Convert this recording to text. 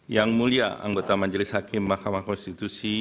yang mulia anggota majelis hakim mahkamah konstitusi